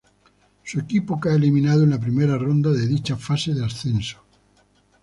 Su equipo cae eliminado en la primera ronda de dicha fase de ascenso.